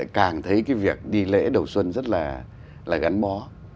càng thấy cái việc đi lễ đầu xuân rất là gắn bó